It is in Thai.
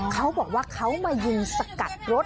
เขาบอกว่าเขามายิงสกัดรถ